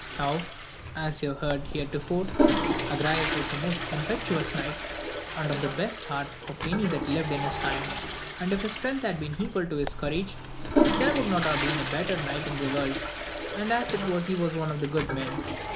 Now, as you have heard heretofore, Agrayes was the most impetuous knight, and of the best heart of any that lived in his time ; and if his strength had been equal AMADIS OF GAUL. 193 to his courage, there would not have been a better knight in the world, and as it was he was one of the good men.